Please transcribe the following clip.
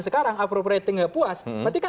sekarang apropriatingnya puas berarti kan